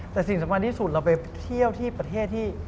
แต่สิ่งสำคัญที่สุดเราไปเที่ยวที่ประเทศที่